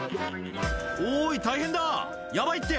「おい大変だヤバいって！